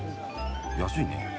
安いね。